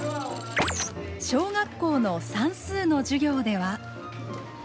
小学校の算数の授業では。